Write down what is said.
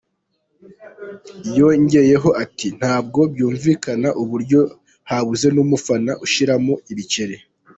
Yongeyeho ati “Ntabwo byumvikana uburyo habuze n’umufana ushyiramo ibiceri.